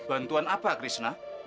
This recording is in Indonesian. bantuan apa krishna